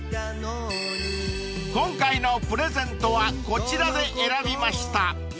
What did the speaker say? ［今回のプレゼントはこちらで選びました］